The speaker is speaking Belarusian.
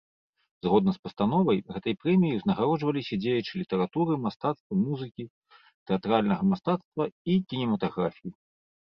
Згодна з пастановай, гэтай прэміяй узнагароджваліся дзеячы літаратуры, мастацтва, музыкі, тэатральнага мастацтва і кінематаграфіі.